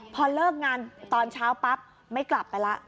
พอเลิกงานตอนเช้าปั๊บไม่กลับไปแล้ว